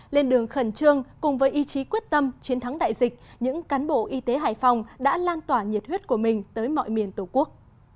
lên đường khẩn trương cùng với ý chí quyết tâm chiến thắng đại dịch những cán bộ y tế hải phòng đã lan tỏa nhiệt huyết của mình tới mọi miền tổ quốc